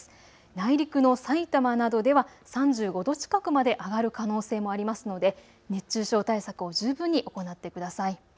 内陸のさいたまなどでは３５度近くまで上がる可能性もありますので熱中症対策を十分に行ってください。